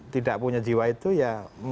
tidak punya jiwa itu ya